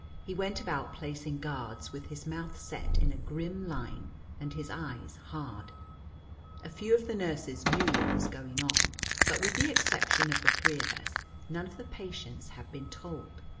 He went about placing guards, with his mouth set in a grim line and his eyes hard. A few of the nurses knew what was going on, but with the exception of the three of us, none of the patients had been told.